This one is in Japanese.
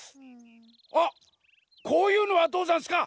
あっこういうのはどうざんすか？